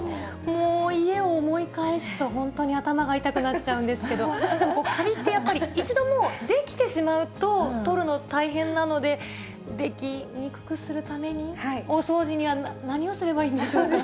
もう、家を思い返すと、本当に頭が痛くなっちゃうんですけど、かびって、やっぱり一度、出来てしまうと取るの大変なので、出来にくくするために、お掃除には何をすればいいんでしょうか。